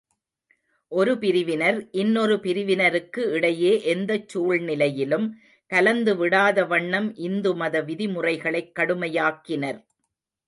ஒரு பிரிவினர், இன்னொரு பிரிவினருக்கு இடையே எந்தச் சூழ்நிலையிலும் கலந்துவிடாத வண்ணம் இந்து மத விதிமுறைகளைக் கடுமையாக்கினர்.